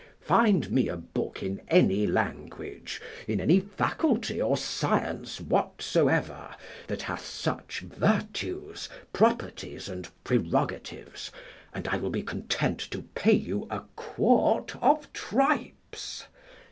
Find me a book in any language, in any faculty or science whatsoever, that hath such virtues, properties, and prerogatives, and I will be content to pay you a quart of tripes.